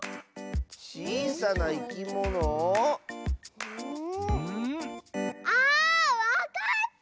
ちいさないきもの？あわかった！